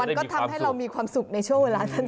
มันก็ทำให้เรามีความสุขในช่วงเวลานั้น